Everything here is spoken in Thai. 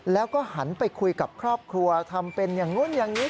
แล้วก็หันไปคุยกับครอบครัวทำเป็นอย่างนู้นอย่างนี้